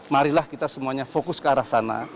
marilah kita semuanya fokus ke arah sana